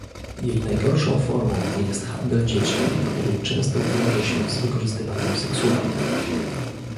Jej najgorszą formą jest handel dziećmi, który często wiąże się z wykorzystywaniem seksualnym